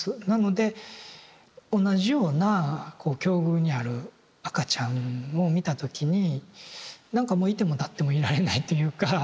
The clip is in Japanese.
なので同じようなこう境遇にある赤ちゃんを見た時になんかもう居ても立ってもいられないというか。